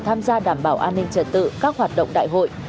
tham gia đảm bảo an ninh trật tự các hoạt động đại hội